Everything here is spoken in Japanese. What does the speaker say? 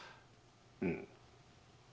うん？